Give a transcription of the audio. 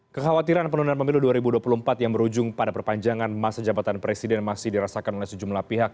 kekhawatiran penundaan pemilu dua ribu dua puluh empat yang berujung pada perpanjangan masa jabatan presiden masih dirasakan oleh sejumlah pihak